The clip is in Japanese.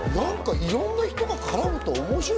いろんな人が絡むと面白い。